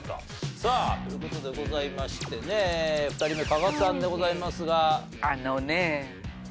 さあという事でございましてね２人目加賀さんでございますが。